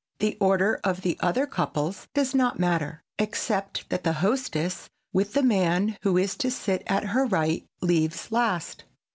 The order of the other couples does not matter, except that the hostess, with the man who is to sit at her right, leaves last.